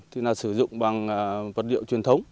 thì là sử dụng bằng vật liệu truyền thống